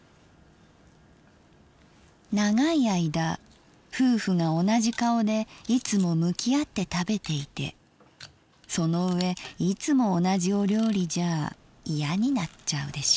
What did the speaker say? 「長い間夫婦が同じ顔でいつも向き合って食べていてその上いつも同じお料理じゃ嫌になっちゃうでしょう。